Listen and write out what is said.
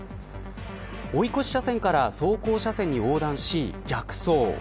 追い越し車線から走行車線に横断し逆走。